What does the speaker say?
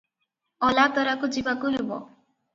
ଅଲାତରାକୁ ଯିବାକୁ ହେବ ।